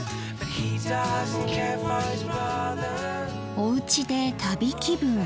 おうちで旅気分。